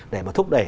để mà thúc đẩy